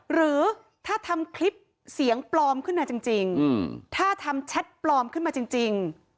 หรือถ้าทำคลิปเสียงปลอมขึ้นมาจริงถ้าทำแชทปลอมขึ้นมาจริง